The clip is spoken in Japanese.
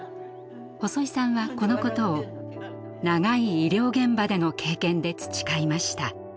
細井さんはこのことを長い医療現場での経験で培いました。